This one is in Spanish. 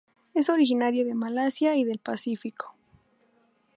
Es originario de Malasia y del Pacífico.